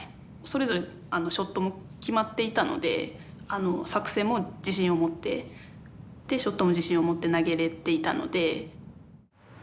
それぞれショットも決まっていたので作戦も自信を持ってショットも自信を持って投げれていたので。